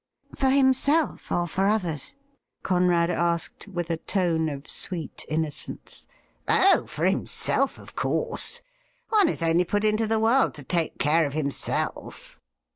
' For himself or for others ?' Conrad asked, with a tone of sweet innocence. ' Oh, for himself, of course. One is only put into the world to take care of himself.